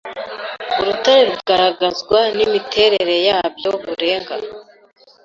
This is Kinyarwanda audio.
Urutare rugaragazwa nimiterere yabyo burenga